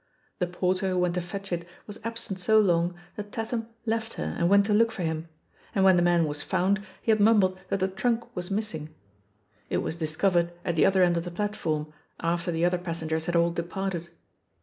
The porter who went to fetch it was absent so long that Tatham left her and went to look for him, and when the man was found, he had mumbled that the trunk was missing. It was discovered at the other end of the platform, after the other passengers had all departed.